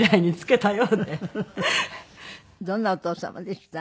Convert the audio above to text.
どんなお父様でした？